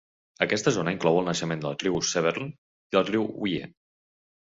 Aquesta zona inclou el naixement del Riu Severn i el Riu Wye.